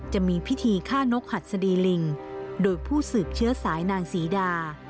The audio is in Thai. จะมีพิธีฆ่านกหัดสดีลิงโดยผู้สืบเชื้อสายนางศรีดา